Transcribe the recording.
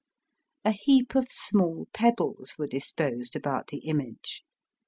A heap of small pebbles were disposed about the image.